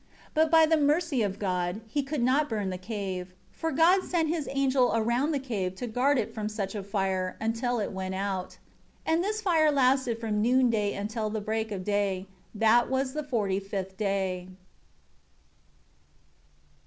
16 But by the mercy of God he could not burn the cave, for God sent His angel around the cave to guard it from such a fire, until it went out. 17 And this fire lasted from noon day until the break of day. That was the forty fifth day.